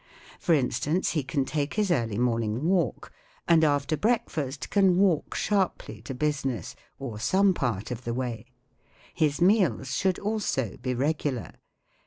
For instance, he can take his early morning walk, and after breakfast can walk sharply to business (or some part of the way). His meals should also be regular.